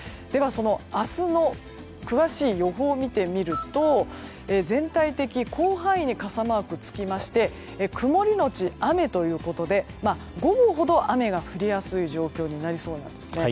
明日の詳しい予報を見てみると全体的、広範囲に傘マークがつきまして曇りのち雨ということで午後ほど雨が降りやすい状況になりそうなんですね。